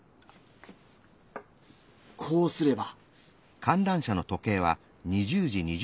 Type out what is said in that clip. こうすれば。